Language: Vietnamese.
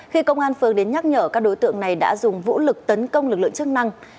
khi công an phường đến nhắc nhở các đối tượng này đã dùng vũ lực tấn công lực lượng chức năng